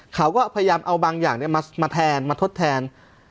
เขาก็พยายามเอาบางอย่างมาแทนมาทดแทน